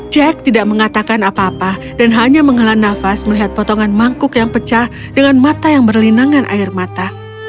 jack tidak mengatakan apa apa dan hanya mengelan nafas melihat potongan mangkuk yang pecah dengan mata yang berlinangan air mata